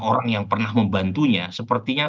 orang yang pernah membantunya sepertinya